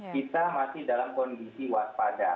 kita masih dalam kondisi waspada